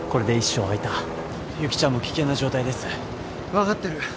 分かってる。